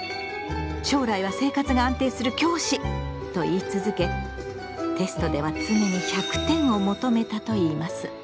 将来は生活が安定する教師」と言い続けテストでは常に１００点を求めたといいます。